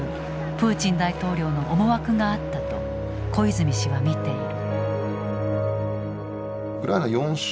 プーチン大統領の思惑があったと小泉氏は見ている。